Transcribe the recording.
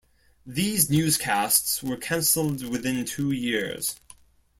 These newscasts were cancelled within two years.